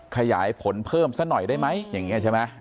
ขยายผลเพิ่มซะหน่อยได้ไหมอย่างนี้ใช่ไหม